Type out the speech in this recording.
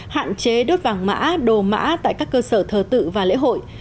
hạn chế đốt vàng mã đồ mã tại các cơ sở thờ tự và lễ hội